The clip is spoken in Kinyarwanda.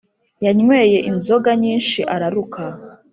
Yanyweye inzoga nyinshi araruka